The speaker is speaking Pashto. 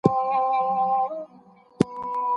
انکارولای نه سي